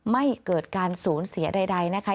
ไม่เกิดการสูญเสียใดนะคะ